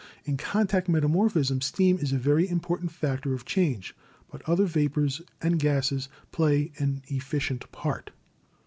In contact metamorphism steam is a very im portant factor of change, but other vapors and gases play an efficient part.